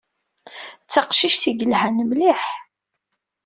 D taqcict ay yelhan mliḥ.